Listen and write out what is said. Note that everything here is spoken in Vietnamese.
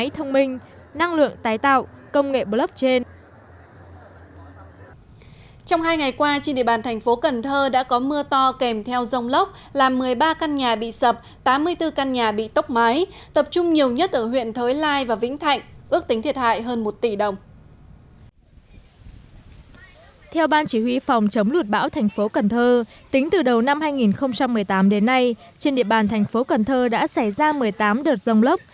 từ đầu năm hai nghìn một mươi tám đến nay trên địa bàn thành phố cần thơ đã xảy ra một mươi tám đợt rông lốc